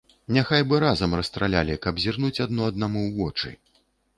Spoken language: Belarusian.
Няхай бы разам расстралялі, каб зірнуць адно аднаму ў вочы.